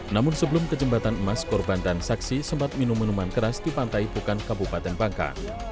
namun sebelum ke jembatan emas korban dan saksi sempat minum minuman keras di pantai bukan kabupaten bangka